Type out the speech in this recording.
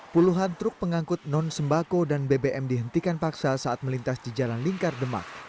puluhan truk pengangkut non sembako dan bbm dihentikan paksa saat melintas di jalan lingkar demak